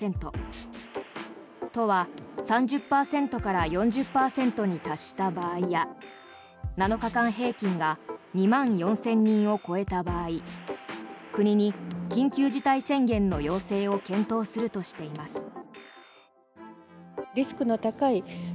都は３０％から４０％に達した場合や７日間平均が２万４０００人を超えた場合国に緊急事態宣言の要請を検討するとしています。